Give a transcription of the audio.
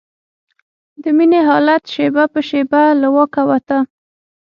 د مينې حالت شېبه په شېبه له واکه وته.